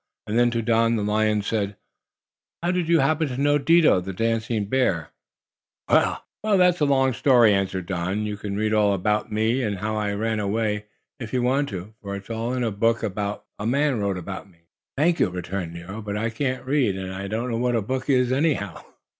And then to Don the lion said: "How do you happen to know Dido, the dancing bear?" "Well, that's a long story," answered Don. "You can read all about me, and how I ran away, if you want to, for it's all in a book a man wrote about me." "Thank you," returned Nero. "But I can't read, and I don't know what a book is, anyhow."